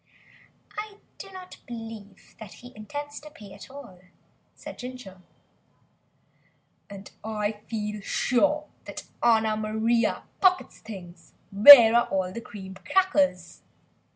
"I do not believe that he intends to pay at all," replied Ginger. "And I feel sure that Anna Maria pockets things Where are all the cream crackers?"